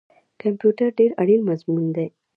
کمپیوټر ډیر اړین مضمون دی